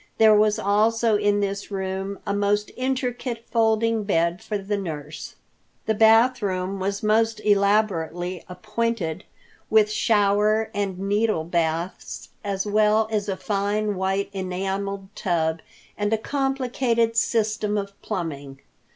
There was also, in this room, a most intricate folding bed for the nurse. The bath room was most elaborately appointed with shower and needle baths, as well as a fine, white enameled tub and a complicated system of plumbing.